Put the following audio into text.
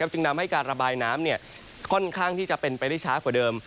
จึงนำให้การระบายน้ำค่อนข้างที่จะเป็นไปได้ช้ากว่าเดิม